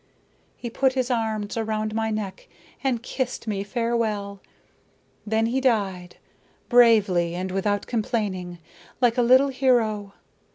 He put his arms round my neck and kissed me farewell. Then he died bravely and without complaining, like a little hero.